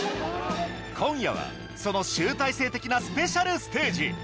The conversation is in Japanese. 今夜はその集大成的なスペシャルステージ